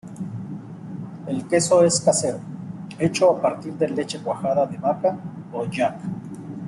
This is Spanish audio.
El queso es casero, hecho a partir de leche cuajada de vaca o yak.